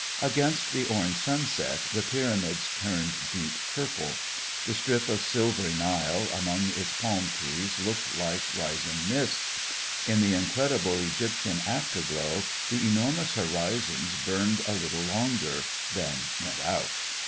Against the orange sunset the Pyramids turned deep purple. The strip of silvery Nile among its palm trees looked like rising mist. In the incredible Egyptian afterglow the enormous horizons burned a little longer, then went out.